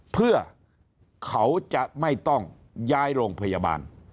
เพื่อเขาจะไม่ต้องย้ายโรงพยาบาล